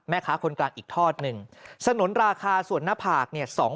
แม่ค้าคนกลางอีกทอดหนึ่งสนุนราคาส่วนหน้าผากเนี่ย